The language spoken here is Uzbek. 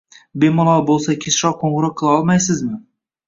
Bemalol bo’lsa, kechroq qo’ng’iroq qila olmaysizmi?